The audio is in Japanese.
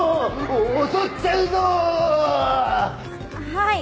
「はい」